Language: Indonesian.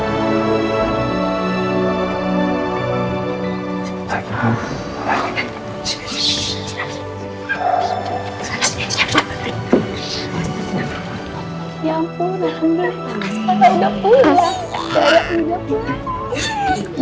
aspaka udah pulang